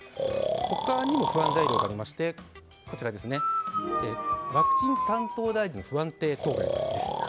他にも不安材料がありましてワクチン担当大臣の不安定答弁。